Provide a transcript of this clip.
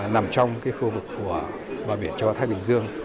nằm trong khu vực của bà biển châu á thái bình dương